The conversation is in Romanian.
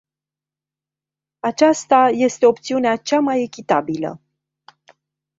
Aceasta este opțiunea cea mai echitabilă.